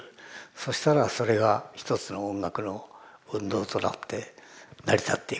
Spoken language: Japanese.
そしたらそれが一つの音楽の運動となって成り立っていく。